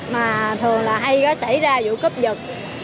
mà thường là hay có xảy ra vụ cấp dựt